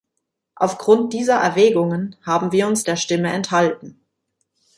Aufgrund dieser Erwägungen haben wir uns der Stimme enthalten.